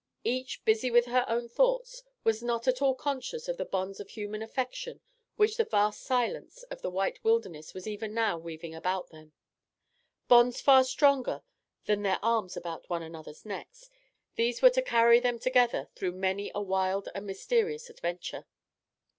Each, busy with her own thoughts, was not at all conscious of the bonds of human affection which the vast silence of the white wilderness was even now weaving about them. Bonds far stronger than their arms about one another's neck, these were to carry them together through many a wild and mysterious adventure.